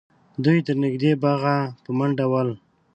دوی تر نږدې باغه په منډه ول